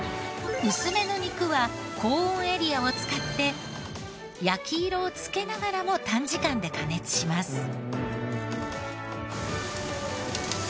薄めの肉は高温エリアを使って焼き色をつけながらも短時間で加熱します。